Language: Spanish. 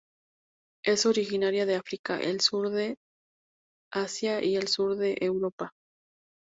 Es originaria de África, el sur de Asia y el sur de Europa.